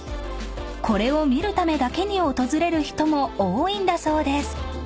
［これを見るためだけに訪れる人も多いんだそうです］